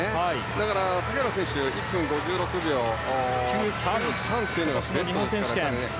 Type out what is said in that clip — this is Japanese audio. だから、竹原選手１分５６秒９３というのがベストですから。